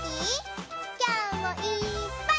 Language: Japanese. きょうもいっぱい。